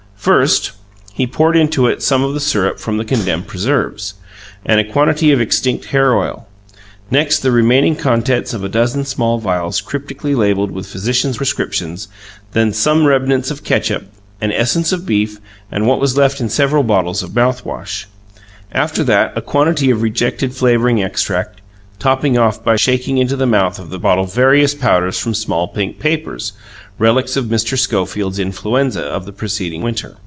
First, he poured into it some of the syrup from the condemned preserves; and a quantity of extinct hair oil; next the remaining contents of a dozen small vials cryptically labelled with physicians' prescriptions; then some remnants of catsup and essence of beef and what was left in several bottles of mouthwash; after that a quantity of rejected flavouring extract topping off by shaking into the mouth of the bottle various powders from small pink papers, relics of Mr. Schofield's influenza of the preceding winter.